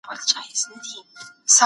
دغه ونه په پسرلي کي ډېره شنه کېږي.